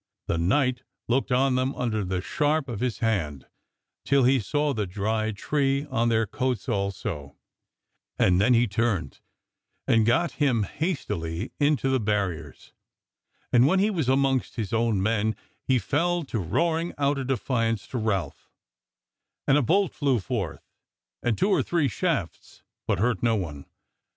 The knight looked on them under the sharp of his hand, till he saw the Dry Tree on their coats also, and then he turned and gat him hastily into the barriers; and when he was amongst his own men he fell to roaring out a defiance to Ralph, and a bolt flew forth, and two or three shafts, but hurt no one.